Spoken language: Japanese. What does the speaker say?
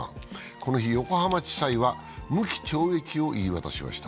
この日、横浜地裁は無期懲役を言い渡しました。